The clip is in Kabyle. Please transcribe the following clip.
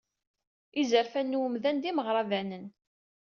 Izerfan n wemdan d imeɣradanen.